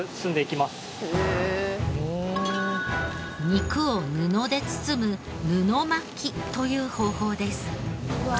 肉を布で包む布巻きという方法です。